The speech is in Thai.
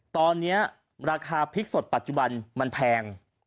ตอนนี้ราคาพริกสดปัจจุบันมันแพง